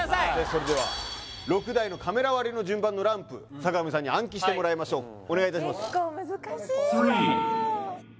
それでは６台のカメラ割りの順番のランプ坂上さんに暗記してもらいましょうお願いいたします